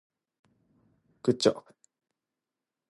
There David kept in check these enemies of Israel.